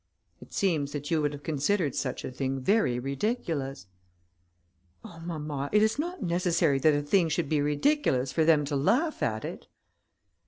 It seems that you would have considered such a thing very ridiculous." "Oh! mamma, it is not necessary that a thing should be ridiculous for them to laugh at it."